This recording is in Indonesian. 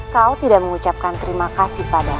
kau tidak mengucapkan terima kasih pada